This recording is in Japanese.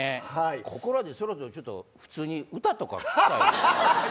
ここらでそろそろ普通に歌とか聞きたい。